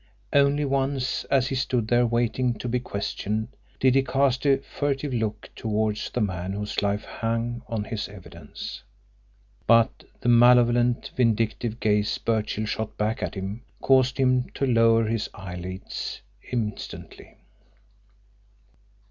Only once, as he stood there waiting to be questioned, did he cast a furtive look towards the man whose life hung on his evidence, but the malevolent vindictive gaze Birchill shot back at him caused him to lower his eyelids instantly.